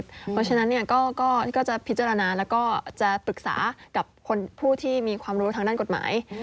เพราะฉะนั้นก็จะพิจารณาแล้วก็จะปรึกษากับผู้ที่มีความรู้ทางด้านกฎหมาย